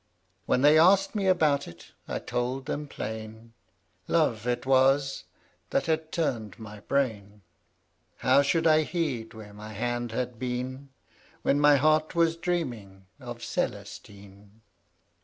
When they asked me about it, I told them plain, Love it was that had turned my brain : How should I heed where my hand had been, When my heart was dreaming of Cel estine